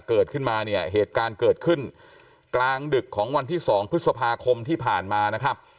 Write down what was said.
เกิดขึ้นมาเนี่ยเหตุการณ์เกิดขึ้นกลางดึกของวันที่๒พฤษภาคมที่ผ่านมานะครับ